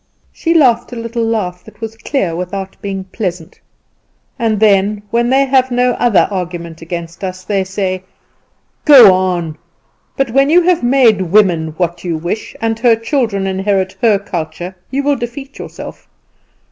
She laughed a little laugh that was clear without being pleasant. "And then, when they have no other argument against us, they say, 'Go on; but when you have made woman what you wish, and her children inherit her culture, you will defeat yourself.